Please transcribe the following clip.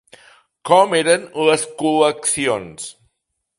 Com eren les col·leccions?